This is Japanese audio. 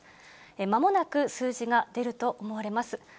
まもなく数字が出ると思われます。